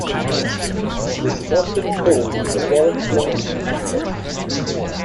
This is often called the Warrenpoint ambush.